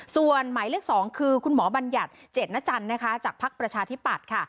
ส่วนไหมเลือก๒คือคุณหมอบัญญัติเจ็ดนจรจากภาคประชาธิปัตย์ค่ะ